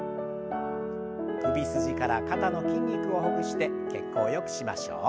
首筋から肩の筋肉をほぐして血行をよくしましょう。